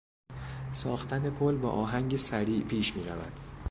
ساختن پل با آهنگ سریع پیش میرود.